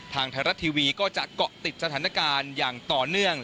ทางไทยรัฐทีวีก็จะเกาะติดสถานการณ์อย่างต่อเนื่อง